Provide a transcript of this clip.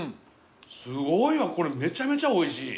すごいわこれめちゃめちゃおいしい。